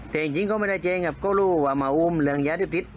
แต่จริงก็ไม่ได้เจ๊งครับก็รู้ว่ามาอุ้มเรื่องยาที่พิษ